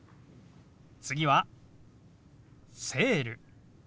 次は「セール」。